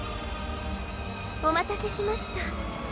お待たせしました。